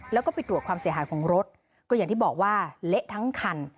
แล้วก็ไปตรวจความเสียหายของรถก็อย่างที่บอกว่าเละทั้งคัน